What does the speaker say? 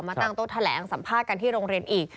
ตั้งโต๊ะแถลงสัมภาษณ์กันที่โรงเรียนอีก